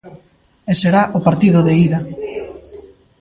E será o partido de ida.